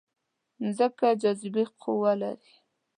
مځکه د جاذبې قوه لري.